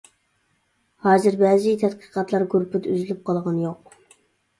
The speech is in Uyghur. ھازىر بەزى تەتقىقاتلار گۇرۇپپىدا ئۈزۈلۈپ قالغىنى يوق.